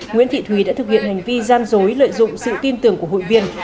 nguyễn thị thúy đã thực hiện hành vi gian dối lợi dụng sự tin tưởng của hội viên